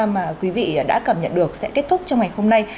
mà quý vị đã cảm nhận được sẽ kết thúc trong ngày hôm nay